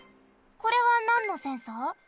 これはなんのセンサー？